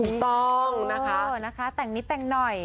ถูกต้องนะคะแต่งนิดแต่งหน่อย